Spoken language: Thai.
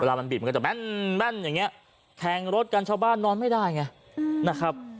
เวลามันบิดมันก็จะแม่นแข็งรถกันชาวบ้านนอนไม่ได้ไงนะครับ